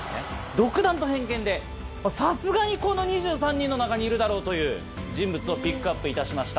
独断と偏見でさすがにこの２３人の中にいるだろうという人物をピックアップいたしました。